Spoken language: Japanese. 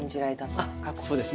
あっそうですね